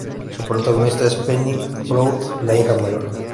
Su protagonista es Penny Proud, la hija mayor.